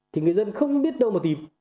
thì người dân không biết đâu mà tìm